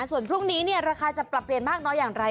ส่วนพรุ่งนี้ราคาจะปรับเปลี่ยนมากน้อยอย่างไร